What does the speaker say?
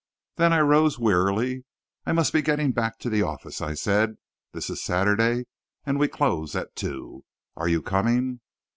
Then I rose wearily. "I must be getting back to the office," I said. "This is Saturday, and we close at two. Are you coming?"